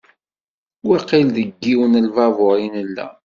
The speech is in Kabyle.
Waqil deg yiwen n lbabur i nella.